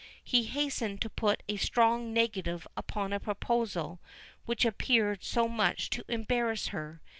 He hastened to put a strong negative upon a proposal which appeared so much to embarrass her.